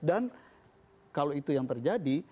dan kalau itu yang terjadi